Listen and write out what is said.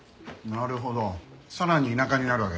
なるほどさらに田舎になるわけですね。